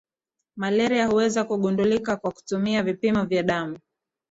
malaria huweza kugundulika kwa kutumia vipimo vya damu